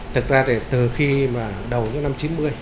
thực ra thì từ khi mà đầu những năm chín mươi